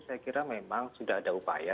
saya kira memang sudah ada upaya